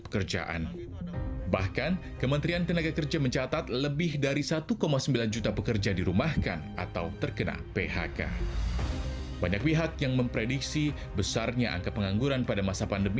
kepada warga yang tidak terdampak secara ekonomi mungkin ini tidak masalah